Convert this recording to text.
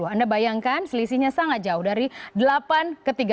anda bayangkan selisihnya sangat jauh dari delapan ke tiga belas